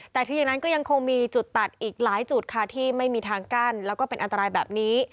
แต่ที่อย่างนั้นก็ยังคงมีจุดตัดอีกหลายจุดค่ะที่ไม่มีทางกั้นแล้วก็เป็นอันตรายแบบนี้